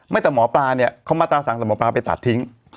ไม่ตราสังศพเฮียนก็ตราสังเป็นตราทิ้ง